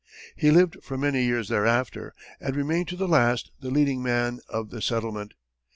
He lived for many years thereafter, and remained to the last the leading man of the settlement.